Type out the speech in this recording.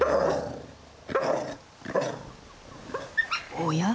おや？